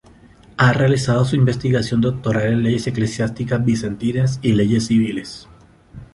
Ha realizado su investigación doctoral en leyes eclesiásticas bizantinas y leyes civiles.